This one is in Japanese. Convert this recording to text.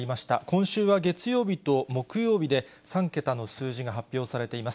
今週は月曜日と木曜日で、３桁の数字が発表されています。